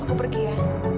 aku pergi ya